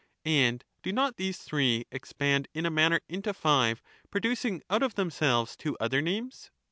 And do not these three expand in a manner into five, fi^byVe producing out of themselves two other names